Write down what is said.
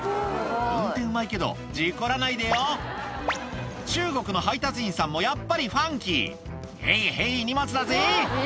運転うまいけど事故らないでよ中国の配達員さんもやっぱりファンキー「ヘイヘイ荷物だぜ」